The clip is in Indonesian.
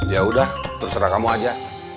yaudah terserah kamu aja